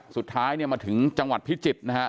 สุดท้ายมาถึงจังหวัดพิจิตย์นะครับ